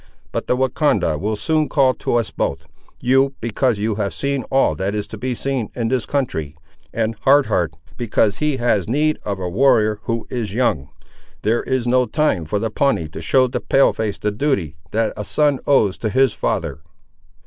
But the Wahcondah will soon call to us both; you, because you have seen all that is to be seen in this country; and Hard Heart, because he has need of a warrior, who is young. There is no time for the Pawnee to show the Pale face the duty, that a son owes to his father."